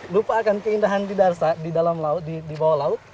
lupakan keindahan di darsa di dalam laut di bawah laut